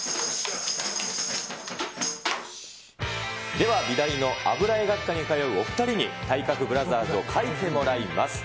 では美大の油絵学科に通うお２人に体格ブラザーズを描いてもらいます。